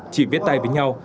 chỉ viết tay với nhau